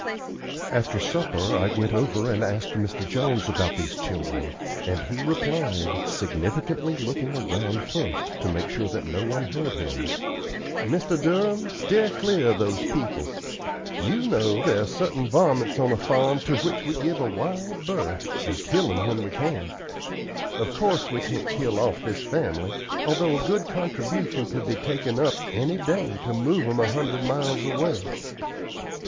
After supper I went over and asked Mr. Jones about these children, and he replied, significantly, looking around first to make sure that no one heard him: "Mr. Durham, steer clear of those people. You know there are certain varmints on a farm to which we give a wide berth and kill 'em when we can. Of course we can't kill off this family, although a good contribution could be taken up any day to move 'em a hundred miles away.